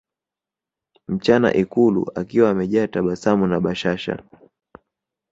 mchana ikulu akiwa amejaa tabasamu na bashasha